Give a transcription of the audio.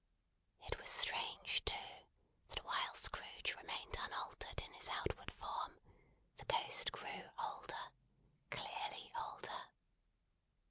It was strange, too, that while Scrooge remained unaltered in his outward form, the Ghost grew older, clearly older.